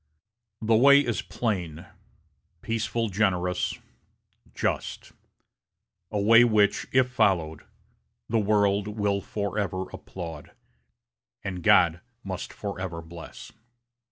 The way is plain, peaceful generous, just a way which, if followed, the world will forever applaud, and God must forever bless."